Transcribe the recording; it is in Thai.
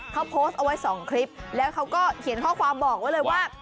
เขาโพสต์เอาไว้๒คลิปแล้วเขาก็เขียนข้อความบอกไว้เลยว่า